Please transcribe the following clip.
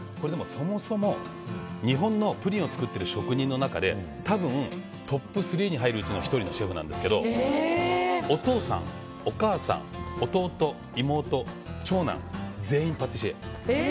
そもそも、日本のプリンを作っている職人の中で多分、トップ３に入るうちの１人のシェフなんですけどお父さんお母さん弟妹長男が全員パティシエ。